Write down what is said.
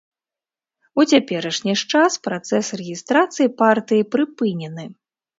У цяперашні ж час працэс рэгістрацыі партыі прыпынены.